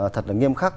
thật là nghiêm khắc